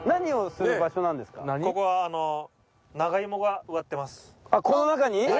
ここはあっこの中に？